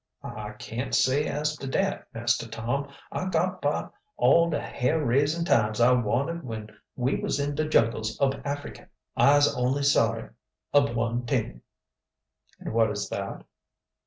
"I can't say as to dat, Master Tom. I got 'bout all de hair raisin' times I wanted when we was in de jungles ob Africy. I'se only sorry ob one t'ing." "And what is that?"